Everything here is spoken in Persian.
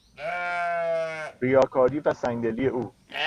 ریاکاری و سنگدلی او